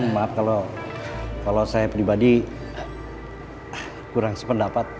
maaf kalau saya pribadi kurang sependapat